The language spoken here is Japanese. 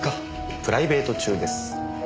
プライベート中です。